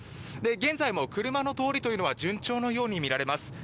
現在も車の通りというのは順調のようにみられます。